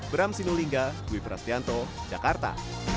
bram sinulinga wipra stianto jakarta